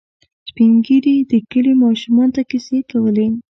سپين ږیري د کلي ماشومانو ته کیسې کولې.